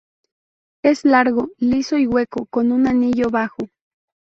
Es largo, liso y hueco con un anillo bajo.